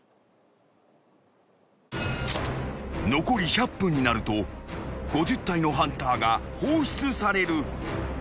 ［残り１００分になると５０体のハンターが放出される］